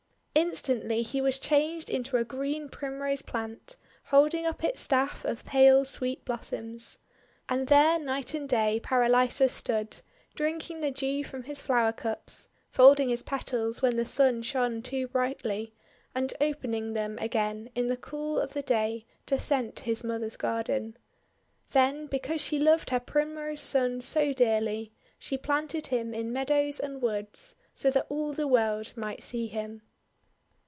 Instantly he was changed into a green Prim rose Plant, holding up its staff of pale sweet blossoms. And there, night and day, Paralisos stood, drinking the dew from his flower cups; folding his petals when the Sun shone too brightly, and opening them again in the cool of the day to scent his mother's garden. Then, because she loved her Primrose Son so dearly, she planted him in meadows and woods, so that all the world might see him.